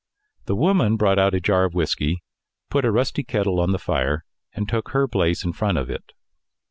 The woman brought out a jar of whisky, put a rusty old kettle on the fire, and took her place in front of it.